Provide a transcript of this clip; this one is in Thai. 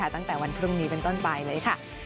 ตั้งแต่วันพรุ่งนี้เป็นต้นไปเลยค่ะ